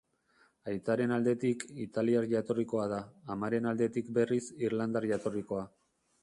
Aitaren aldetik, italiar jatorrikoa da, amaren aldetik berriz, irlandar jatorrikoa.